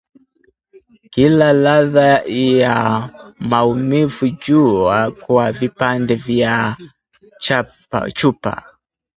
kila ladha ya maumivu, jua kwa vipande vya chupa